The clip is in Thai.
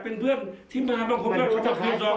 เป็นเรื่องที่บางคนก็รู้จัก